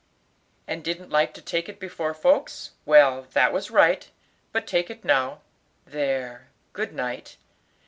"And didn't like to take it before folks? Well, that was right, but take it now. There, good night.